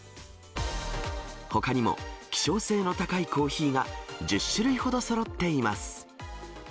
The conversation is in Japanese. ほかにも、希少性の高いコーヒーが１０種類ほどそろっています。